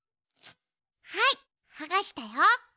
はいはがしたよ。